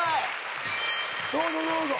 どうぞどうぞ。